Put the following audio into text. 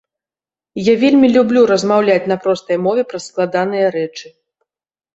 Я вельмі люблю размаўляць на простай мове пра складаныя рэчах.